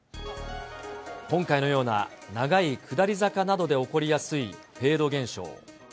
今回のような長い下り坂などで起こりやすいフェード現象。